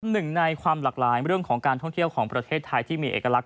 หนึ่งในความหลากหลายเรื่องของการท่องเที่ยวของประเทศไทยที่มีเอกลักษ